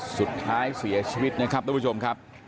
สุดท้ายเสียชีวิตนะครับทุกผู้ชมครับ